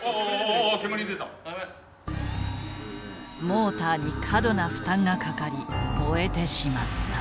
モーターに過度な負担がかかり燃えてしまった。